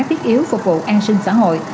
tiết yếu phục vụ an sinh xã hội